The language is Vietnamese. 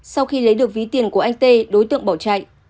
sau khi lấy được ví tiền của anh tê đối tượng bỏ chạy